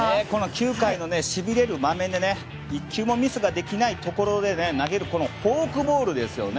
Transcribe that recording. ９回のしびれる場面で１球もミスができないところで投げるフォークボールですね。